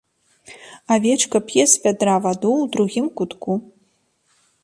Авечка п'е з вядра ваду ў другім кутку.